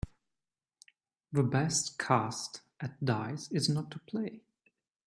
The best cast at dice is not to play.